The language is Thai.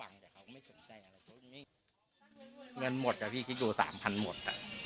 เงินหมดอ่ะพี่ชิคกี้พาย๓๐๐๐บาทหมด